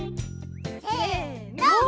せの。